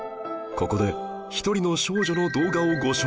ここで１人の少女の動画をご紹介